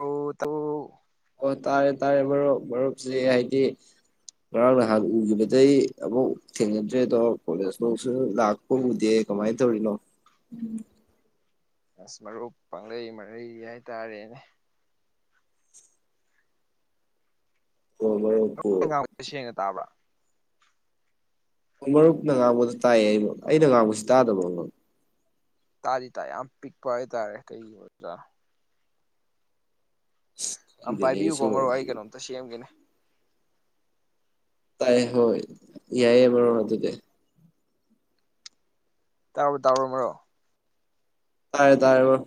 ꯑꯣ ꯇꯥꯕꯔꯣ ꯑꯣ ꯇꯥꯔꯦ ꯇꯥꯔꯦ ꯃꯔꯨꯞ ꯃꯔꯨꯞꯁꯦ ꯍꯥꯏꯗꯤ ꯉꯔꯥꯡ ꯅꯍꯥꯟ ꯎꯈꯤꯕꯗꯩ ꯑꯃꯨꯛ ꯊꯦꯡꯅꯗ꯭ꯔꯦ ꯑꯗꯣ ꯀꯣꯂꯦꯖꯐꯧꯁꯨ ꯂꯥꯛꯄ ꯎꯗꯦ ꯀꯃꯥꯏ ꯇꯧꯔꯤꯅꯣ ꯑꯁ ꯃꯔꯨꯞ ꯄꯪꯂꯩ ꯃꯔꯩ ꯍꯥꯏꯇꯥꯔꯦꯅꯦ ꯑꯣ ꯃꯔꯨꯞ ꯃꯔꯨꯞꯄꯨ ꯑꯩꯅ ꯉꯥꯡꯕꯁꯦ ꯁꯦꯡꯅ ꯇꯥꯕ꯭ꯔꯥ ꯃꯔꯨꯞꯅ ꯉꯥꯡꯕꯗꯣ ꯇꯥꯏꯑꯦ ꯑꯩꯅ ꯉꯥꯡꯕꯁꯦ ꯇꯥꯗꯕꯔꯣ ꯃꯔꯨꯞ ꯇꯥꯗꯤ ꯇꯥꯏ ꯌꯥꯝ ꯄꯤꯛꯄ ꯍꯥꯏꯇꯥꯔꯦ ꯀꯩꯒꯤ ꯑꯣꯏꯖꯥꯠꯅꯣ ꯑꯝ ꯈꯪꯗꯦꯅꯦ ꯄꯥꯏꯕꯤꯌꯨꯀꯣ ꯑꯩꯁꯨ ꯃꯔꯨꯞ ꯑꯩ ꯍꯥꯏꯗꯤ ꯀꯩꯅꯣꯝꯇ ꯁꯦꯝꯒꯦꯅꯦ ꯇꯥꯏ ꯍꯣꯏ ꯌꯥꯏꯌꯦ ꯃꯔꯨꯞ ꯑꯗꯨꯗꯤ ꯇꯥꯕꯔ꯭ꯑꯣ ꯇꯥꯕꯔꯣ ꯃꯔꯨꯞ ꯇꯥꯔꯦ ꯇꯥꯔꯦ ꯃꯔꯨꯞ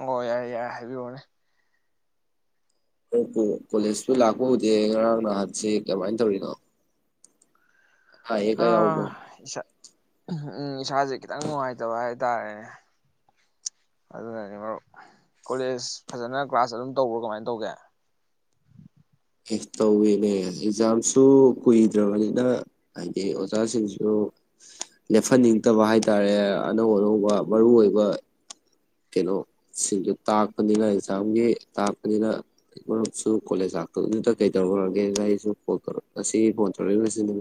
ꯑꯣ ꯌꯥꯔꯦ ꯌꯥꯔꯦ ꯍꯥꯏꯕꯤꯔꯛꯑꯣꯅꯦ ꯀꯣꯂꯦꯖꯇꯨ ꯂꯥꯛꯄ ꯎꯗꯦ ꯉꯔꯥꯡ ꯅꯍꯥꯟꯁꯤ ꯀꯃꯥꯏꯅ ꯇꯧꯔꯤꯅꯣ ꯑꯌꯦꯛꯀ ꯑ ꯌꯥꯎꯕ꯭ꯔꯣ ꯏꯁꯥ ꯎꯝ ꯏꯁꯥꯁꯦ ꯈꯤꯇꯪ ꯅꯨꯡꯉꯥꯏꯇꯕ ꯍꯥꯏ ꯇꯥꯔꯦꯅꯦ ꯑꯗꯨꯅꯅꯤ ꯃꯔꯨꯞ ꯀꯣꯂꯦꯖ ꯐꯖꯅ ꯀ꯭ꯂꯥꯁ ꯑꯗꯨꯝ ꯇꯧꯕ꯭ꯔꫭ ꯀꯃꯥꯏꯅ ꯇꯧꯒꯦ ꯑꯦ ꯇꯧꯋꯤꯅꯦ ꯑꯦꯛꯖꯥꯝꯁꯨ ꯀꯨꯏꯗ꯭ꯔꯕꯅꯤꯅ ꯍꯥꯏꯗꯤ ꯑꯣꯖꯥꯁꯤꯡꯁꯨ ꯂꯦꯞꯍꯟꯅꯤꯡꯗꯕ ꯍꯥꯏ ꯇꯥꯔꯦ ꯑꯅꯧ ꯑꯅꯧꯕ ꯃꯔꯨ ꯑꯣꯏꯕ ꯀꯩꯅꯣ ꯁꯤꯡꯗꯨ ꯇꯥꯛꯄꯅꯤꯅ ꯑꯦꯛꯖꯥꯝꯒꯤ ꯇꯥꯛꯄꯅꯤꯅ ꯃꯔꯨꯞꯁꯨ ꯀꯣꯂꯦꯖ ꯂꯥꯛꯄꯗꯨꯗ ꯀꯩꯗꯧꯔꯨꯔꯒꯦꯅ ꯑꯩꯁꯨ ꯐꫭꯟ ꯉꯁꯤ ꯐꯣꯟ ꯇꯧꯔꯛꯏꯁꯤꯅꯦ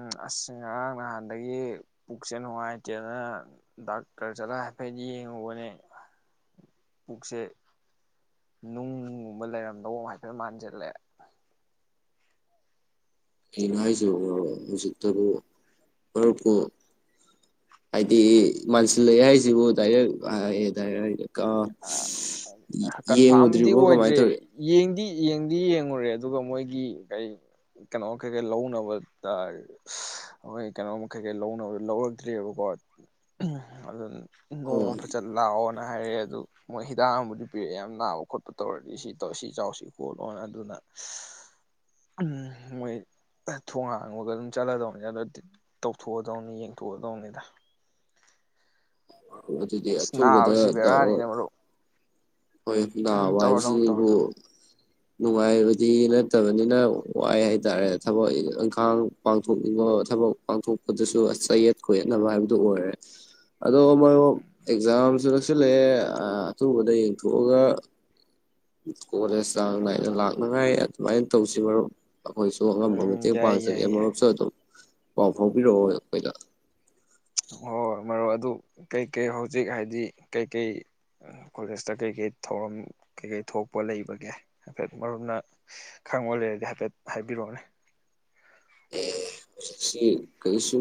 ꯎꯝ ꯑꯁ ꯉꯔꯥꯡ ꯅꯍꯥꯟꯗꯒꯤ ꯄꯨꯛꯁꯦ ꯅꯨꯡꯉꯥꯏꯇꯦꯅ ꯗꯥꯛꯇꯔ ꯆꯠꯂꯒ ꯍꯥꯏꯐꯦꯠ ꯌꯦꯡꯉꯨꯕꯅꯦ ꯄꯨꯛꯁꯦ ꯅꯨꯡꯅꯨꯡꯒꯨꯝꯕ ꯂꯩꯔꯝꯗꯧ ꯍꯥꯏꯐꯦꯠ ꯃꯥꯟꯖꯤꯜꯂꯛꯑꯦ ꯀꯩꯅꯣ ꯍꯥꯏꯁꯤ ꯍꯧꯖꯤꯛꯇꯕꯨ ꯃꯔꯨꯞꯄꯨ ꯍꯥꯏꯗꯤ ꯃꯥꯟꯁꯤꯜꯂꯛꯑꯦ ꯍꯥꯏꯁꯤꯕꯨ ꯗꯥꯏꯔꯦꯛ ꯑꯦ ꯗꯥꯏꯔꯦꯛ ꯑ ꯀꯟꯐꯥꯔꯝꯗꯤ ꯌꯦꯡꯉꯨꯗ꯭ꯔꯤꯕꯣ ꯀꯃꯥꯏꯅ ꯑꯣꯏꯗ꯭ꯔꯤ ꯇꯧꯔꯤ ꯌꯦꯡꯗꯤ ꯌꯦꯡꯗꯤ ꯌꯦꯡꯉꯨꯔꯦ ꯑꯗꯨꯒ ꯃꯣꯏꯒꯤ ꯀꯩ ꯀꯩꯅꯣꯝ ꯀꯩꯀꯩ ꯂꯧꯅꯕ ꯇꯥꯔꯦ ꯃꯣꯏ ꯀꯩꯅꯣꯃ ꯀꯩ ꯀꯩ ꯂꯧꯅꯕꯗ ꯂꯧꯔꯛꯇ꯭ꯔꯤꯕꯀꯣ ꯑꯗꯨꯅ ꯑꯣ ꯅꯣꯡꯃ ꯐꯖꯅ ꯂꯥꯛꯑꫭꯅꯦ ꯍꯥꯏꯔꯛꯑꯦ ꯑꯗꯨ ꯃꯣꯏ ꯍꯤꯗꯥꯛ ꯑꯃꯕꯨꯗꯤ ꯄꯤꯔꯛꯑꯦ ꯌꯥꯝ ꯅꯥꯕ ꯈꯣꯠꯄ ꯇꯧꯔꯗꯤ ꯁꯤ ꯇꯧ ꯁꯤ ꯆꯥꯎꯁꯤ ꯈꯣꯠꯂꯣꯅ ꯑꯗꯨꯅ ꯃꯣꯏ ꯊꯣꯡ ꯍꯥꯡꯕꯒ ꯑꯗꯨꯝ ꯆꯠꯂꯗꯧꯅꯤ ꯑꯗꯨ ꯇꯧꯊꯣꯛꯑꯗꯧꯅꯤ ꯌꯦꯡꯊꯣꯛꯑꯗꯧꯅꯤꯗ ꯑꯗꯨꯗꯤ ꯑꯁ ꯑꯊꯨꯕꯗ ꯅꯥꯕꯁꯤ ꯇꯧꯔꯛꯑꯣ ꯕꯦꯔꯥꯅꯤꯅ ꯃꯔꯨꯞ ꯍꯣꯏ ꯎꯝ ꯅꯥꯕ ꯇꯧꯔꯗꯧꯅꯤ ꯇꯧꯔꯗꯧꯅꯤ ꯍꯥꯏꯕꯁꯤꯕꯨ ꯅꯨꯡꯉꯥꯏꯕꯗꯤ ꯅꯠꯇꯕꯅꯤꯅ ꯋꯥꯏ ꯍꯥꯏꯇꯥꯔꯦ ꯊꯕꯛ ꯏꯪꯈꯥꯡ ꯄꯥꯡꯊꯣꯛꯅꯤꯡꯕ ꯊꯕꯛ ꯄꯥꯡꯊꯣꯛꯄꯗꯨꯁꯨ ꯆꯌꯦꯠ ꯈꯣꯌꯦꯠꯅꯕ ꯍꯥꯏꯕꯗꯨ ꯑꯣꯏꯔꯦ ꯑꯗꯣ ꯃꯔꯨꯞ ꯑꯦꯛꯖꯥꯝꯁꯨ ꯁꯤꯜꯂꯛꯑꯦ ꯑꯊꯨꯕꯗꯩ ꯊꯣꯛꯑꯒ ꯀꯣꯂꯦꯖ ꯆꯥꯡ ꯅꯥꯏꯅ ꯂꯥꯛꯅꯉꯥꯏ ꯑꯗꯨꯃꯥꯏꯅ ꯇꯧꯁꯤ ꯃꯔꯨꯞ ꯑꯩꯈꯣꯏꯁꯨ ꯑꯉꯝꯕ ꯎꯝ ꯃꯇꯦꯡ ꯌꯥꯏ ꯌꯥꯏ ꯄꯥꯡꯖꯒꯦ ꯌꯥꯏ ꯃꯔꯨꯞꯁꯨ ꯑꯗꯨꯝ ꯄꯥꯎ ꯐꯥꯎꯕꯤꯔꯛꯑꯣ ꯑꯩꯈꯣꯏꯗ ꯍꯣꯏ ꯍꯣꯏ ꯃꯔꯨꯞ ꯑꯗꯨ ꯀꯩꯀꯩ ꯍꯧꯖꯤꯛ ꯍꯥꯏꯗꯤ ꯀꯩꯀꯩ ꯀꯣꯂꯦꯖꯇ ꯀꯩꯀꯩ ꯊꯧꯔꯝ ꯀꯩꯀꯩ ꯊꯣꯛꯄ ꯂꯩꯕꯒꯦ ꯍꯥꯏꯐꯦꯠ ꯃꯔꯨꯞꯅ ꯈꯪꯕ ꯂꯩꯔꯗꯤ ꯍꯥꯏꯐꯦꯠ ꯍꯥꯏꯕꯤꯔꯛꯑꯣꯅꯦ ꯁꯤ ꯀꯔꯤꯁꯨ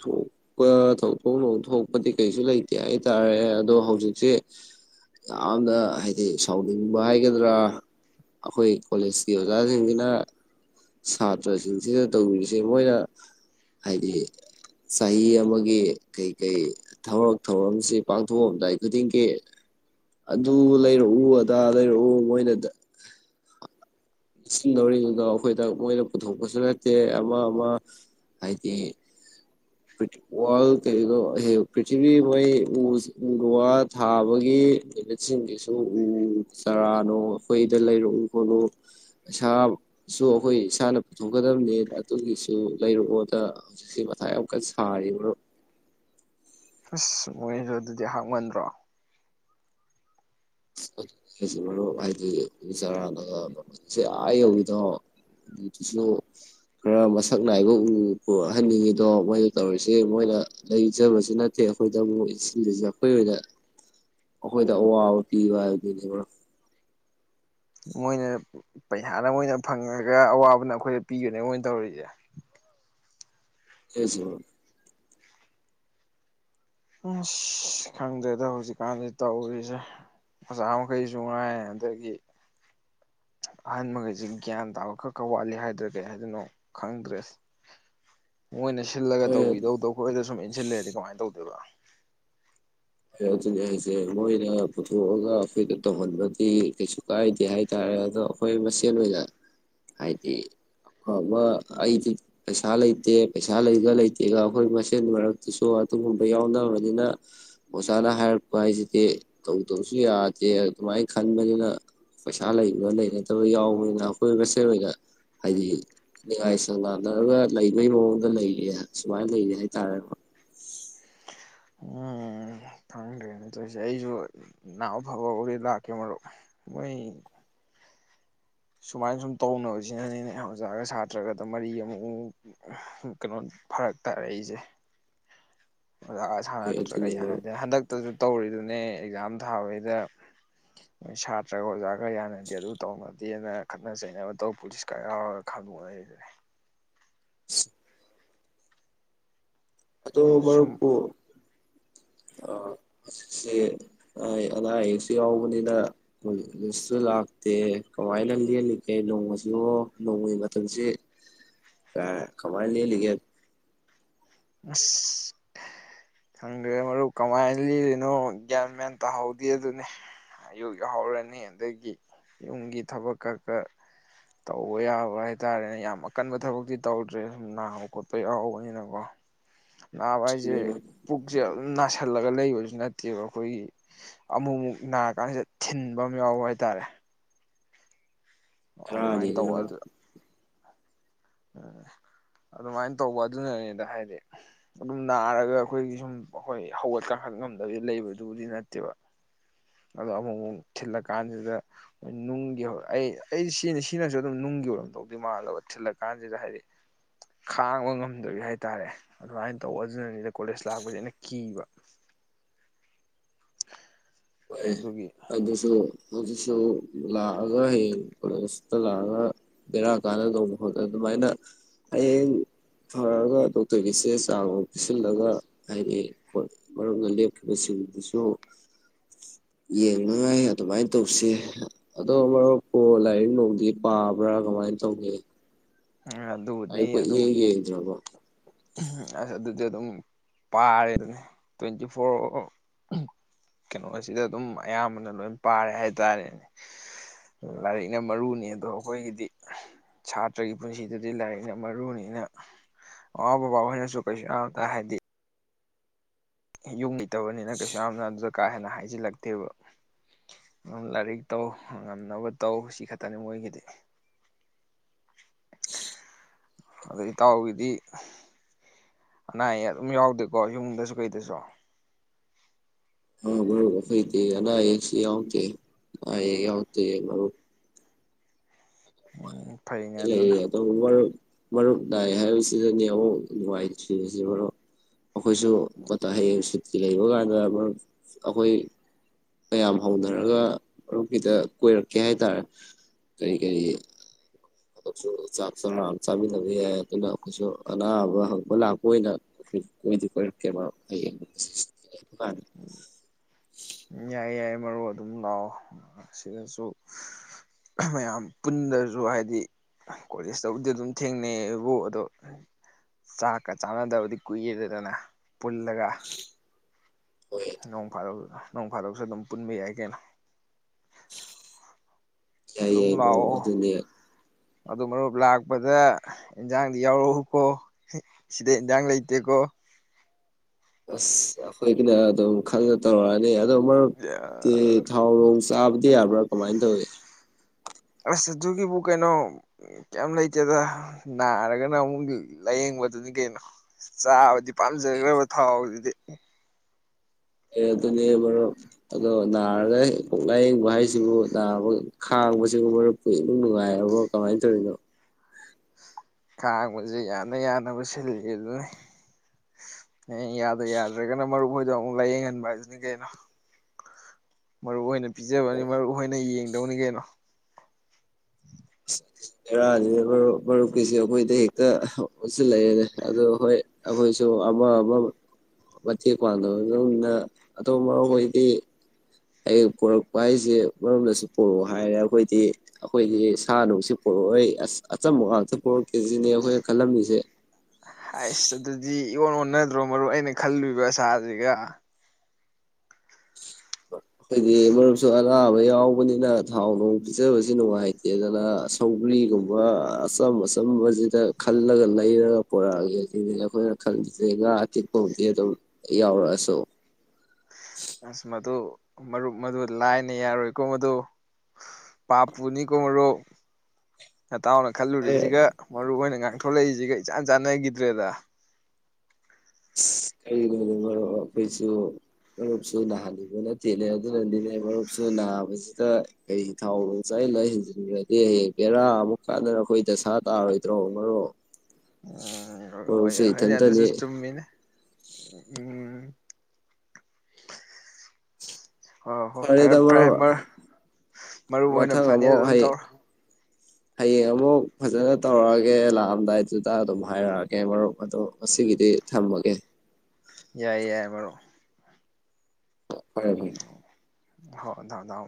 ꯊꯣꯛꯄ ꯊꯧꯗꯣꯛꯐꯝ ꯊꯣꯛꯄꯗꯤ ꯀꯩꯁꯨ ꯂꯩꯇꯦ ꯍꯥꯏꯇꯥꯔꯦ ꯑꯗꯣ ꯍꯧꯖꯤꯛꯁꯦ ꯌꯥꯝꯅ ꯍꯥꯏꯗꯤ ꯁꯥꯎꯅꯤꯡꯕ ꯍꯥꯏꯒꯗ꯭ꯔꯥ ꯑꯩꯈꯣꯏ ꯀꯣꯂꯦꯖꯀꯤ ꯑꯣꯖꯥꯁꯤꯡꯁꯤꯅ ꯁꯥꯇ꯭ꯔꯁꯤꯡꯁꯤꯗ ꯇꯧꯕꯤꯔꯤꯁꯦ ꯃꯣꯏꯅ ꯍꯥꯏꯗꯤ ꯆꯍꯤ ꯑꯃꯒꯤ ꯀꯩꯀꯩ ꯊꯕꯔꯛ ꯊꯧꯔꯝꯁꯤ ꯄꯥꯡꯊꯣꯛꯑꯝꯗꯥꯏ ꯈꯨꯗꯤꯡꯒꯤ ꯑꯗꯨ ꯂꯩꯔꯛꯎ ꯑꯗꯥ ꯂꯩꯔꯛꯎ ꯃꯣꯏꯅꯗ ꯁꯤꯟꯗꯧꯔꯤꯗꯨꯅꯣ ꯑꯩꯈꯣꯏꯗ ꯃꯣꯏꯗ ꯄꯨꯊꯣꯛꯄꯁꯨ ꯅꯠꯇꯦ ꯑꯃ ꯑꯃ ꯍꯥꯏꯗꯤ ꯋꯥꯔꯜ ꯀꯗꯣ ꯄ꯭ꯔꯤꯊꯤꯕꯤ ꯃꯣꯏ ꯎ ꯋꯥ ꯊꯥꯕꯒꯤ ꯂꯠꯁꯤꯡꯒꯤꯁꯨ ꯎ ꯆꯥꯔꯥꯅꯣ ꯑꯩꯈꯣꯏꯗ ꯂꯩꯔꯛꯎ ꯈꯣꯠꯂꯨ ꯏꯁꯥꯁꯨ ꯑꯩꯈꯣꯏ ꯏꯁꯥꯅ ꯄꯨꯊꯣꯛꯀꯗꯝꯕꯅꯦ ꯑꯗꯨꯒꯤꯁꯨ ꯂꯩꯔꯛꯑꯣꯗ ꯍꯧꯖꯤꯛꯁꯤꯦ ꯃꯊꯥꯏ ꯀꯥꯟ ꯁꯔꯤꯕꯥ ꯑꯁ ꯃꯣꯏꯁꯨ ꯑꯗꯨꯗꯤ ꯍꯥꯞꯃꯟꯗ꯭ꯔꯣ ꯖꯤ ꯃꯔꯨꯞ ꯍꯥꯏꯗꯤ ꯎ ꯆꯔꯥꯅꯁꯦ ꯑ ꯌꯧꯏꯗꯣ ꯑꯗꯨꯗꯨꯁꯨ ꯈꯔ ꯃꯁꯛ ꯅꯥꯏꯕ ꯎ ꯄꯨꯔꯛꯍꯟꯅꯤꯡꯉꯤꯗꯣ ꯃꯣꯏꯅ ꯇꯧꯔꯤꯁꯦ ꯃꯣꯏꯅ ꯂꯩꯖꯕꯁꯨ ꯅꯠꯇꯦ ꯑꯩꯈꯣꯏꯗ ꯑꯃꯨꯛ ꯏꯁꯤꯡꯗꯨꯁꯨ ꯑꯩꯈꯣꯏ ꯑꯣꯏꯅ ꯈꯣꯏꯗ ꯑꯣ ꯊꯤ ꯋꯥ ꯃꯣꯏꯅ ꯄꯩꯁꯥꯅ ꯃꯣꯏꯅ ꯐꯪꯉꯒ ꯑꯋꯥꯕꯅ ꯑꯩꯈꯣꯏꯗ ꯄꯤꯒꯅꯦ ꯃꯣꯏꯅ ꯇꯧꯔꯤꯁꯦ ꯀꯁꯨ ꯑꯁ ꯈꯪꯗꯦꯗ ꯍꯧꯖꯤꯛꯀꯥꯟꯗꯤ ꯇꯧꯔꯤꯁꯦ ꯑꯣꯆꯥ ꯃꯈꯩꯁꯨ ꯉꯥꯏ ꯑꯗꯒꯤ ꯑꯍꯟ ꯃꯈꯈꯩꯁꯤ ꯒ꯭ꯌꯥꯟ ꯇꯥꯕ ꯈꯔ ꯈꯔ ꯋꯥꯠꯂꯤ ꯍꯥꯏꯗ꯭ꯔꯥ ꯀꯩ ꯍꯥꯏꯗꯣꯏꯅꯣ ꯈꯪꯗ꯭ꯔꯦꯁ ꯃꯣꯏꯅ ꯁꯤꯜꯂꯒ ꯍꯣꯏ ꯇꯧꯕꯤꯗꯧꯗ ꯑꯩ ꯈꯈꯣꯏꯗ ꯁꯨꯝ ꯏꯟꯁꯤꯜꯂꯦꯔꯗꯤ ꯀꯃꯥꯏꯅ ꯇꯧꯗꯦꯕ ꯑꯗꯨꯅꯤ ꯑꯩꯁꯦ ꯃꯣꯏꯅ ꯄꯨꯊꯣꯛꯑꯒ ꯑꯩꯈꯣꯏꯗ ꯇꯧꯍꯟꯕꯗꯤ ꯀꯩꯁꯨ ꯀꯥꯏꯗꯦ ꯍꯥꯏꯇꯥꯔꯦ ꯑꯗꯣ ꯑꯩꯈꯣꯏ ꯃꯁꯦꯟ ꯑꯣꯏꯅ ꯍꯥꯏꯗꯤ ꯑꯐꯕ ꯑꯩꯗꯤ ꯄꯩꯁꯥ ꯂꯩꯇꯦ ꯄꯩꯁꯥ ꯂꯩꯒ ꯂꯩꯇꯦꯒ ꯑꯩꯈꯣꯏ ꯃꯁꯦꯟ ꯃꯔꯛꯇꯨꯁꯨ ꯑꯗꯨꯒꯨꯝꯕ ꯌꯥꯎꯅꯕꯅꯤꯅ ꯑꯣꯖꯥꯅ ꯍꯥꯏꯔꯛꯄ ꯍꯥꯏꯁꯤꯗꯤ ꯇꯧꯗꯕꯁꯨ ꯌꯥꯗꯦ ꯑꯗꯨꯃꯥꯏꯅ ꯈꯟꯕꯅꯤꯅ ꯄꯩꯁꯥ ꯂꯩꯕ ꯂꯩꯅꯗꯕ ꯌꯥꯎꯕꯅꯤꯅ ꯑꯩꯈꯣꯏ ꯃꯁꯦꯜ ꯑꯣꯏꯅ ꯍꯥꯏꯗꯤꯉꯥꯏꯁꯪ ꯂꯅꯔꯒ ꯂꯩꯕꯒꯤ ꯃꯑꯣꯡꯗ ꯂꯩꯔꯤ ꯁꯨꯃꯥꯏꯅ ꯂꯩꯔꯤ ꯍꯥꯏꯇꯥꯔꯦ ꯀꯅ ꯇꯧꯔꯤꯁꯦ ꯑꯩꯁꯨ ꯅꯅꯥꯍꯎ ꯑ ꯐꯕ ꯑꯣꯏꯔꯦ ꯂꯥꯛꯀꯦ ꯃꯔꯨꯞ ꯃꯣꯏ ꯁꯨꯃꯥꯏꯅ ꯁꯨꯝ ꯇꯧꯅꯕꯁꯤꯅꯅꯦꯅꯦ ꯑꯣꯖꯥꯒ ꯁꯥꯇ꯭ꯔꯒꯗ ꯃꯔꯤ ꯑꯃꯨꯛꯨꯛ ꯀꯩꯅꯣ ꯐꯔꯛ ꯇꯥꯔꯛꯏꯁꯦ ꯑꯣꯖꯥꯒ ꯍꯣꯏ ꯁꯥꯟꯅꯛꯇ꯭ꯔꯒ ꯑꯗꯨꯅꯤ ꯃꯔꯨꯞ ꯌꯥꯅꯗꯦ ꯍꯟꯗꯛꯇꯁꯨ ꯇꯧꯔꯤꯗꯨꯅ ꯑꯦꯛꯖꯥꯝ ꯊꯥꯕꯩꯗ ꯅꯣꯏ ꯁꯥꯇ꯭ꯔꯒ ꯑꯣꯖꯥ ꯈꯔ ꯌꯥꯅꯗꯦ ꯑꯗꯨ ꯇꯧꯅꯗꯦꯅ ꯈꯠꯅ ꯆꯩꯅꯕ ꯇꯧ ꯄꯨꯂꯤꯁ ꯈꯔ ꯌꯥꯎꯔꯒ ꯈꯪꯗꯣꯛꯅꯔꯤꯦ ꯑꯗꯣ ꯁꯨꯝ ꯃꯄꯨ ꯑ ꯍꯧꯖꯤꯛꯁꯦ ꯑꯅꯥ ꯑꯌꯦꯛꯁꯨ ꯌꯥꯎꯕꯅꯤꯅꯁꯨ ꯂꯥꯛꯇꯦ ꯀꯃꯥꯏꯅ ꯂꯦꯜꯂꯤꯒꯦ ꯅꯣꯡꯃꯁꯨ ꯅꯣꯡꯃꯒꯤ ꯃꯇꯝꯁꯤ ꯀꯃꯥꯏꯅ ꯂꯦꯜꯂꯤꯒꯦ ꯑꯁ ꯈꯪꯗ꯭ꯔꯦ ꯃꯔꯨꯞ ꯀꯃꯥꯏꯅ ꯂꯤꯔꯤꯅꯣ ꯒ꯭ꯌꯥꯟ ꯃꯌꯥꯟ ꯇꯥꯍꯧꯗꯦ ꯑꯗꯨꯅꯦ ꯑꯌꯨꯛ ꯌꯥꯎꯍꯧꯔꯅꯤ ꯑꯗꯒꯤ ꯌꯨꯝꯒꯤ ꯊꯕꯛꯀ ꯈ ꯇꯧꯕ ꯌꯥꯕ ꯍꯥꯏꯇꯥꯔꯦꯅꯦ ꯌꯥꯝ ꯑꯀꯟꯕ ꯊꯕꯛꯇꯤ ꯇꯧꯗ꯭ꯔꯦ ꯁꯨꯝ ꯅꯥꯕ ꯈꯣꯠꯄ ꯌꯥꯎꯍꯧꯕꯅꯤꯅꯀꯣ ꯅꯍꯥꯟꯋꯥ ꯍꯥꯏꯁꯦ ꯄꯨꯛꯁꯦꯜ ꯊꯜꯂꯒ ꯂꯩꯕꯁꯨ ꯅꯠꯇꯦꯕ ꯑꯩꯈꯣꯏꯒꯤ ꯑꯃꯨꯛ ꯑꯃꯨꯛ ꯅꯥꯔ ꯀꯥꯟꯁꯤꯗ ꯊꯤꯟꯕ ꯑꯃ ꯌꯥꯎꯕ ꯍꯥꯏꯇꯥꯔꯦ ꯑꯗꯨꯃꯥꯏꯅ ꯍꯔꯖꯤꯗꯤ ꯎꯝ ꯑꯗꯨꯃꯥꯏꯅ ꯇꯧꯕ ꯑꯗꯨꯅꯅꯤꯗ ꯍꯥꯏꯗꯤ ꯑꯗꯨꯝ ꯅꯥꯔꯒ ꯑꯩꯈꯣꯏꯒꯤ ꯁꯨꯝ ꯑꯩꯈꯣꯏ ꯍꯧꯒꯠ ꯀꯥꯡꯈꯠ ꯉꯝꯗꯕꯗꯤ ꯂꯩꯕꯗꯨꯕꯨꯗꯤ ꯅꯠꯇꯦꯕ ꯑꯗꯣ ꯑꯃꯨꯛ ꯑꯃꯨꯛ ꯊꯤꯜꯂ ꯀꯥꯟꯁꯤꯗ ꯅꯨꯡꯒꯤ ꯑꯩ ꯑꯩ ꯁꯤꯅꯤ ꯁꯤꯅꯁꯨ ꯑꯗꯨꯝ ꯅꯨꯡꯒꯤ ꯑꯣꯏꯔꯝ ꯇꯧꯗꯣꯏ ꯃꯥꯜꯂꯕ ꯊꯤꯜꯂꯀꯥꯟꯁꯤꯗ ꯍꯥꯏꯗꯤ ꯈꯥꯡꯕ ꯉꯝꯗꯕꯤ ꯍꯥꯏ ꯇꯥꯔꯦ ꯑꯗꯨꯃꯥꯏꯅ ꯇꯧꯕ ꯑꯗꯨꯅꯅꯤꯅ ꯀꯣꯂꯦꯖ ꯂꯥꯛꯄꯁꯦ ꯑꯩꯅ ꯀꯤꯕ ꯍꯣꯏ ꯑꯗꯨꯒꯤ ꯑꯗꯨ ꯑꯗꯨꯁꯨ ꯑꯗꯨꯗꯨꯁꯨ ꯂꯥꯛꯑꯒ ꯍꯌꯦꯡ ꯀꯣꯂꯦꯖꯇ ꯂꯥꯛꯑꯒ ꯕꯦꯔꯥ ꯀꯥꯟꯅ ꯇꯅꯕ ꯈꯣꯠꯅ ꯑꯗꯨꯃꯥꯏꯅ ꯍꯌꯦꯡ ꯐꯔꯛꯑꯒ ꯗꯣꯛꯇꯔꯒꯤ ꯆꯦ ꯆꯥꯡ ꯑꯃ ꯄꯤꯁꯤꯜꯂꯒ ꯍꯥꯏꯗꯤ ꯃꯔꯝꯅ ꯂꯦꯞꯈꯤꯕꯁꯤꯡꯗꯨꯁꯨ ꯌꯦꯡꯅꯉꯥꯏ ꯑꯗꯨꯃꯥꯏꯅ ꯇꯧꯁꯤ ꯑꯗꯣ ꯃꯔꯨꯞꯄꯨ ꯂꯥꯏꯔꯤꯛ ꯂꯅꯨꯡꯗꯤ ꯄꯥꯕ꯭ꯔꯥ ꯀꯃꯥꯏꯅ ꯇꯧꯒ ꯑꯗꯨꯕꯨꯗꯤ ꯑꯩꯈꯣꯏ ꯑꯗꯨꯝ ꯌꯦꯡ ꯌꯦꯡꯗ꯭ꯔꯕꯣ ꯑꯁ ꯑꯗꯨꯗꯤ ꯑꯗꯨꯝ ꯄꯥꯔꯦ ꯑꯗꯨꯅꯤ ꯇ꯭ꯋꯦꯟꯇꯤ ꯐꯣꯔ ꯑꯋꯥꯔ ꯀꯩꯅꯣꯁꯤꯗ ꯑꯗꯨꯝ ꯑꯌꯥꯝꯕꯅ ꯂꯣꯏ ꯄꯥꯔꯦ ꯍꯥꯏꯇꯥꯥꯔꯦꯅꯦ ꯂꯥꯏꯔꯤꯛꯅ ꯃꯔꯨꯅꯤ ꯑꯗꯣ ꯑꯩꯈꯣꯏꯒꯤꯗꯤ ꯁꯥꯇ꯭ꯔ ꯅꯠꯇ꯭ꯔꯒꯤ ꯄꯨꯟꯁꯤꯗꯨꯗꯤ ꯂꯥꯏꯔꯤꯛꯅ ꯃꯔꯨꯅꯤꯅ ꯃꯃꯥ ꯕꯕꯥ ꯍꯣꯏꯅꯁꯨ ꯀꯩꯁꯨ ꯌꯥꯝ ꯇ ꯍꯥꯏꯗꯤ ꯌꯨꯝ ꯏꯇꯕꯅꯤꯅ ꯀꯩꯁꯨ ꯌꯥꯝꯅ ꯑꯗꯨꯗ ꯀꯥ ꯍꯦꯟꯅ ꯍꯥꯏꯖꯤꯜꯂꯛꯇꯦꯕ ꯑꯗꯨꯝ ꯂꯥꯏꯔꯤꯛ ꯇꯧ ꯉꯝꯅꯕ ꯇꯧ ꯁꯤ ꯈꯛꯇꯅꯤ ꯃꯣꯏꯒꯤꯗꯤ ꯑꯗ ꯏꯇꯥꯎꯒꯤꯗꯤ ꯑꯅꯥ ꯑꯌꯦꯛ ꯑꯗꯨꯝ ꯌꯥꯎꯗꯦꯀꯣ ꯌꯨꯝꯗꯁꯨ ꯀꯩꯗꯁꯨ ꯀꯩ ꯀꯩ ꯑꯅꯥ ꯑꯌꯦꯛꯁꯨ ꯐꯩ ꯃꯔꯨꯞ ꯎꯝ ꯐꯩꯅꯦ ꯑꯗꯨꯅ ꯂꯗꯣ ꯎ ꯋꯥ ꯃꯔ ꯏ ꯍꯥꯏꯁꯤꯨ ꯅꯨꯡ ꯋꯥꯏꯁꯤ ꯃꯔꯨꯞ ꯑꯩꯈꯣꯏꯁꯨ ꯑ ꯍꯌꯦꯡ ꯁꯤ ꯂꯩꯕ ꯀꯥꯟꯗ ꯃꯔ ꯑꯩꯈꯣꯏ ꯃꯌꯥꯝ ꯍꯧꯅꯔꯒ ꯃꯔꯨꯞ ꯈꯤꯇ ꯀꯣꯏꯔꯛꯀꯦ ꯍꯥꯏꯇꯥꯔꯦ ꯀꯔꯤ ꯀꯔꯤ꯫ [unintelligible] ꯆꯥꯛ ꯆꯔ ꯑꯃ ꯆꯥꯃꯤꯟꯅꯕ ꯌꯥꯏ ꯑꯗꯨꯅ ꯑꯈꫭꯏꯁꯨ ꯑꯅꯥꯕ ꯍꯪꯕ ꯂꯥꯛꯄ ꯑꫭꯏꯅ ꯀꫭꯏꯗꯤ ꯀꫭꯏꯔꯛꯀꯦ꯫ ꯌꯥꯏ ꯌꯥꯏ ꯃꯔꯨꯞ ꯎꯝ ꯑꯗꯨꯝ ꯂꯥꯛꯑꯣ ꯁꯤꯗꯁꯨ ꯃꯌꯥꯝ ꯄꯨꯟꯗ꯭ꯔꯁꯨ ꯍꯥꯏꯗꯤ ꯀꯣꯂꯦꯖꯇꯕꯨꯗꯤ ꯑꯗꯨꯝ ꯊꯦꯡꯅꯩꯕꯨ ꯑꯗꯣ ꯆꯥꯛꯀ ꯆꯥꯟꯅꯗꯕꯗꯤ ꯀꯨꯏꯌꯦꯦꯗꯗꯅ ꯄꯨꯜꯂꯒ꯫ ꯍꯣꯏ ꯅꯣꯡ ꯀꯗꯣꯛ꯫ ꯅꯣꯡ ꯐꯥꯗꯛꯁꯨ ꯑꯗꯨꯝ ꯄꯨꯟꯕ ꯌꯥꯏ ꯀꯅꫭ꯫ ꯌꯥꯏ ꯌꯥꯏ ꯃꯔꯨꯞ ꯑꯗꯨꯅꯦ꯫ ꯑꯗꯨ ꯃꯔꯨꯞ ꯂꯥꯛꯄꯗ ꯏꯟꯖꯥꯡꯗꯤ ꯌꯥꯎꯔꯛꯎꯀꯣ ꯁꯤꯗ ꯏꯟꯖꯥꯡ ꯂꯩꯇꯦꯀꯣ꯫ ꯑꯁ ꯑꯈꫭꯏꯅ ꯑꯗꯨꯝ ꯈꯥꯟ ꯇꯧꯔꯛꯑꯅꯤ꯫ [unintelligible] ꯆꯥꯕꯗꯤ ꯌꯥꯕ꯭ꯔꯥ ꯀꯃꯥꯏꯅ ꯇꯧꯏꯤ꯫ ꯑꯁ ꯑꯗꯨꯒꯤꯕꯨ ꯀꯩꯅꯣ ꯀꯩ ꯂꯩꯇꯦꯗ ꯅꯥꯔꯒꯅ ꯑꯃꯨꯛ ꯂꯥꯏꯌꯦꯡꯕꯗꯨꯅꯤ ꯀꯩꯅꯣ ꯆꯥꯕꯗꯤ꯫ ꯄꯥꯝꯖꯈ꯭ꯔꯕ ꯊꯥꯎꯗꯨꯗꯤ꯫ [inaudible] ꯑꯦ ꯑꯗꯨꯅꯦ ꯃꯔꯨꯞ ꯑꯗꯣ ꯅꯥꯔꯒ ꯀꯣꯛ ꯂꯥꯏꯌꯦꯡꯕ ꯍꯥꯏꯁꯤꯕꯨ ꯅꯥꯕ ꯈꯥꯡꯕꯁꯤꯕꯨ ꯃꯔꯨꯞꯄꯨ ꯏꯅꯨꯡꯉꯥꯏꯔꯕꯣ ꯀꯃꯥꯏꯅ ꯇꯧꯔꯤꯅꯣ꯫ ꯈꯥꯡꯕꯁꯦ ꯌꯥꯅ ꯌꯥꯅꯕ ꯁꯤꯜꯂꯤ ꯑꯗꯨꯅꯤ ꯍꯌꯦꯡ ꯌꯥꯗ ꯌꯥꯗ꯭ꯔꯒꯅ ꯃꯔꯨꯞ ꯍꯣꯏꯗꯣ ꯑꯃꯨꯛ ꯂꯥꯏꯌꯦꯡꯍꯟꯕ ꯍꯥꯏꯁꯤꯅꯤ ꯀꯩꯅꯣ꯫ ꯃꯔꯨꯞꯍꫭꯏꯅ꯫ ꯄꯤꯖꯕꯅꯤ ꯃꯔꯨꯞꯍꫭꯏꯅ ꯌꯦꯡ꯫ [unintelligible] ꯀꯩꯅꫭ꯫ ꯕꯦꯔꯥꯅꯤꯅꯦ ꯃꯔꯨꯞ ꯃꯔꯨꯞꯀꯤꯁꯦ ꯑꯩꯈꯣꯏꯗ ꯍꯦꯛꯇ ꯑꫭꯟꯁꯤꯜꯂꯛꯑꯦꯅꯦ ꯑꯗꯨ ꯍꯣꯏ ꯑꯈꯣꯏꯁꯨ ꯑꯃ ꯑꯃ ꯃꯇꯦꯡ ꯄꯥꯡꯕꯅꯗꯧꯅ ꯑꯗꫭ ꯃꯔꯨꯞꯍꫭꯏꯗꯤ꯫ ꯑꯩ ꯄꯣꯔꯛꯄ ꯍꯥꯏꯁꯦ ꯃꯔꯝꯗꯁꯨ ꯄꯣꯔꯛꯑꯣ ꯍꯥꯏꯔꯦ ꯑꯩꯈꯣꯏꯗꯤ ꯑꯩꯈꯣꯏꯒꯤ ꯁꯥ ꯅꯨꯡꯁꯤꯦ ꯄꯣꯔꯛꯑꯣꯏ ꯑꯁ ꯑꯆꯝꯕ ꯉꯥꯛꯇ ꯄꯣꯔꯛꯀꯦꯁꯤꯅꯦ ꯑꯩꯈꯣꯏꯅ ꯈꯜꯂꯝꯃꯤꯁꯦ꯫ ꯑꯁ ꯑꯗꯨꯗꯤ ꯏꯋꫭꯟ ꯑꯣꯟꯅꯗ꯭ꯔꯣ ꯃꯔꯨꯞ ꯑꯩꯅ ꯈꯜꯂꯨꯏꯕ ꯑꯁꯥꯁꯤꯒ꯫ ꯑꯩꯈꯣꯏꯗꯤ ꯃꯔꯨꯞꯁꯨ ꯑꯅꯥꯕ ꯌꯥꯎꯕꯅꯤꯅ ꯊꯥꯎ ꯅꯨꯡ ꯄꯤꯖꯕꯁꯤ ꯅꯨꯡꯉꯥꯏꯇꯦ ꯑꯗꯨꯅ ꯁꯧꯒ꯭ꯔꯤꯒꯨꯝꯕ ꯑꯆꯝ ꯑꯆꯝꯕꯁꯤꯗ ꯈꯜꯂꯒ ꯂꯩꯔꯒ ꯄꯣꯔꯛꯑꯒꯦ ꯁꯤ ꯑꯩꯈꯣꯏꯅ ꯈꯜꯂꯤꯁꯦ ꯉꯥ ꯑꯇꯦꯛꯄꯕꯨꯗꯤ ꯑꯗꯨꯝ ꯌꯥꯎꯔꯛꯑꯁꯨ꯫ ꯑꯁ ꯃꯗꯨ ꯃꯔꯨꯞ ꯃꯗꯨ ꯂꯥꯏꯅ ꯌꯥꯔꯣꯏꯀꯣ ꯃꯗꯨ ꯄꯥꯞꯄꯨꯅꯤꯀꯣ ꯃꯔꯨꯞ꯫ ꯅꯇꯥꯎꯅ ꯍꯣꯏ ꯈꯜꯂꯨꯔꯤꯁꯤꯒ ꯃꯔꯨꯞ ꯍꫭꯏꯅ ꯉꯥꯡ꯫ ꯊꯣꯛꯂꯛꯏꯁꯤꯒ ꯏꯆꯥꯟ ꯆꯥꯟꯅꯈꯤꯗ꯭ꯔꯦꯗ꯫ ꯀꯔꯤꯅꯣꯅꯦ ꯃꯔꯨꯞ ꯑꯩꯈꯣꯏꯁꯨ ꯃꯔꯨꯞꯁꯨ ꯅꯥꯍꯟꯅꯤꯡꯕ ꯅꯠꯇꯦꯅꯦ ꯑꯗꯨꯅꯅꯤꯅꯦ ꯃꯔꯨꯞꯁꯨ ꯅꯥꯕꯁꯤꯗ ꯀꯩ ꯊꯥꯎ ꯅꯨꯡ ꯆꯥꯏꯜꯂ ꯍꯦꯟꯖꯤꯟꯒ꯭ꯔꯗꯤ ꯍꯌꯦꯡ ꯕꯦꯔꯥ ꯑꯃꯨꯛ ꯀꯥꯟꯅꯔ ꯑꯈꯣꯏ ꯗꯁꯥ ꯇꯥꯔꯣꯏꯗ꯭ꯔꯣ ꯃꯔꯨꯞ꯫ ꯎꯝ ꯍꯣꯏ ꯃꯔꯨꯞꯁꯨ ꯍꯣꯏꯅꯦ ꯑꯗꯨꯁꯨ ꯏꯊꯟꯇꯅꯤ꯫ ꯆꯨꯝꯃꯤꯅꯦ ꯎꯝ꯫ ꯍꯣꯏ ꯍꯣꯏ ꯐꯔꯦ ꯐꯔꯦꯗ ꯐꯔꯦ ꯃꯔꯨꯞ ꯃꯔꯞ ꯃꯔꯨꯞ ꯍꫭꯏꯅ ꯃꯊꯪ ꯐꯅꯤꯗꯨ ꯑꯃꯨꯛ ꯑꯗꯨꯝ ꯍꯩ ꯇꯧꯔꯣ꯫ ꯍꯌꯦꯡ ꯑꯃꯨꯛ ꯐꯖꯅ ꯇꯧꯔꯛꯑꯒꯦ ꯂꯥꯛꯑꯝꯗꯥꯏꯗꯨꯗ ꯑꯗꯨꯝ ꯍꯥꯏꯔꯛꯑꯒꯦ ꯃꯔꯨꯞ꯫ ꯑꯗꯣ ꯑꯁꯤꯒꯤꯗꯤ ꯊꯝꯃꯒꯦ꯫ ꯌꯥꯏ ꯌꯥꯏ ꯃꯔꯨꯞ꯫ ꯍꯣꯏ ꯍꯣꯏ꯫ ꯍꯥꯏ ꯊꯝ ꯊꯝꯃꫭ꯫